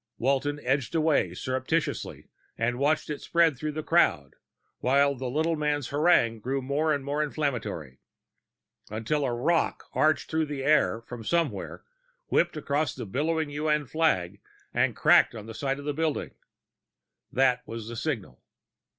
Walton edged away surreptitiously and watched it spread through the crowd, while the little man's harangue grew more and more inflammatory. Until a rock arced through the air from somewhere, whipped across the billowing UN flag, and cracked into the side of the building. That was the signal.